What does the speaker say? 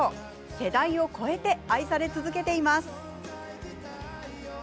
世代を超えて愛され続けています。